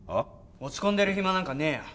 落ち込んでる暇なんかねえよ